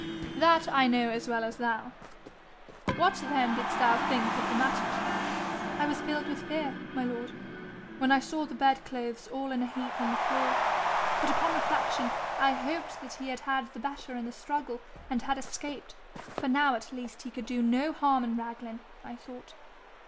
'That I know as well as thou. What then didst thou think of the matter?' 'I was filled with fear, my lord, when I saw the bedclothes all in a heap on the floor, but upon reflection I hoped that he had had the better in the struggle, and had escaped; for now at least he could do no harm in Raglan, I thought.